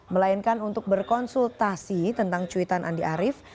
melainkan untuk berkonsultasi tentang cuitan andi arief